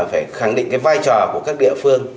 phải khẳng định vai trò của các địa phương